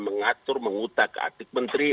mengatur mengutak atik menteri